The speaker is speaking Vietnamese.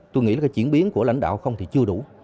tôi nghĩ là cái chuyển biến của lãnh đạo không thì chưa đủ